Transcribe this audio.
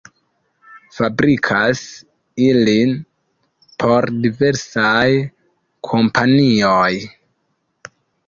Fabrikas ilin por diversaj kompanioj.